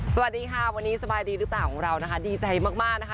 สวัสดีค่ะวันนี้สบายดีหรือเปล่าของเรานะคะดีใจมากมากนะคะ